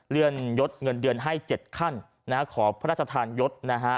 เลื่อนยดเงินเดือนให้๗ขั้นขอพระราชทานยศนะฮะ